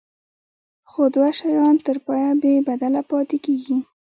خو دوه شیان تر پایه بې بدله پاتې کیږي.